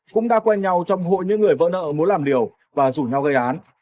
cũng đã quen nhau trong hội những người vỡ nợ muốn làm liều và rủ nhau gây án